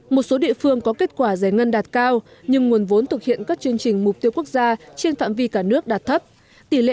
một số địa phương có kết quả giải ngân đạt